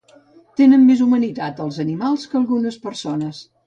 Tenen més humanitat els animals que algunes persones